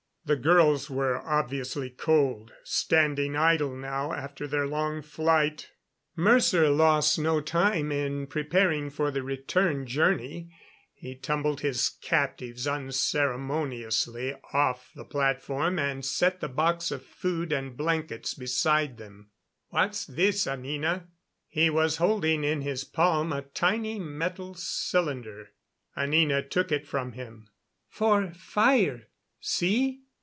The girls were obviously cold, standing idle now after their long flight. Mercer lost no time in preparing for the return journey. He tumbled his captives unceremoniously off the platform and set the box of food and blankets beside them. "What's this, Anina?" He was holding in his palm a tiny metal cylinder. Anina took it from him. "For fire, see?"